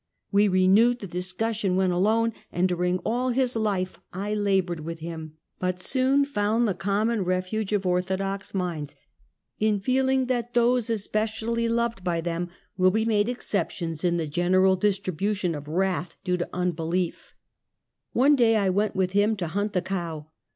We re newed the discussion when alone, and during all his life I labored with him; but soon found the common refuge of orthodox minds, in feeling that those espe Pkogkess in Calvinism. 15 cially loved by them, will be made exceptions in the general distribution of wrath due to unbelief. One day I went with him to hunt the cow.